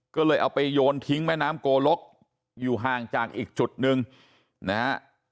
ก็เลยเอาไปโยนทิ้งแม่น้ำโกลกอยู่ห่างจากอีกจุดหนึ่งนะฮะ